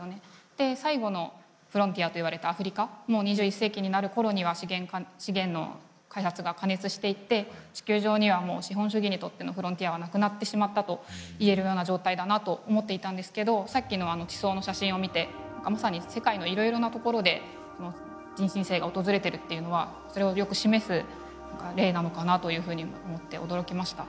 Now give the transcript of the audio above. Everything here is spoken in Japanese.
で最後のフロンティアといわれたアフリカも２１世紀になる頃には資源の開発が過熱していって地球上にはもう資本主義にとってのフロンティアはなくなってしまったと言えるような状態だなと思っていたんですけどさっきの地層の写真を見てまさに世界のいろいろなところで人新世が訪れてるっていうのはそれをよく示す例なのかなというふうに思って驚きました。